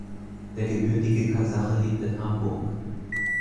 Der gebürtige Kasache lebt in Hamburg.